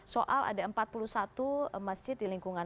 soal ada empat puluh satu masjid di lingkungan